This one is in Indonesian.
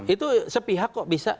itu sepihak kok bisa